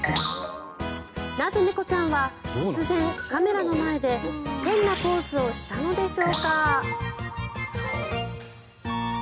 なぜ、猫ちゃんは突然、カメラの前で変なポーズをしたのでしょうか。